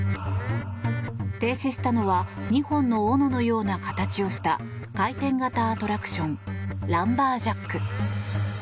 停止したのは２本のおののような形をした回転型アトラクションランバージャック。